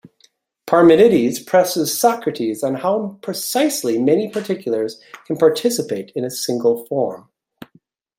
Parmenides presses Socrates on how precisely many particulars can participate in a single Form.